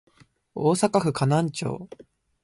大阪府河南町